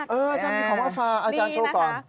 มีของคำภาษณ์อาจารย์โฉ่ก่อน